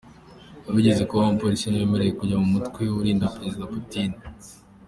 Abigeze kuba abapolisi ntibemerewe kujya mu mutwe urinda Perezida Putin.